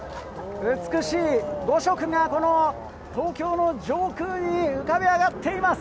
美しい５色がこの東京の上空に浮かび上がっています。